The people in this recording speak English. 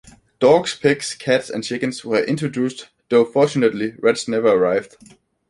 Dogs, pigs, cats and chickens were introduced, though fortunately rats never arrived.